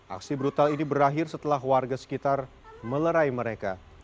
aksi brutal ini berakhir setelah warga sekitar melerai mereka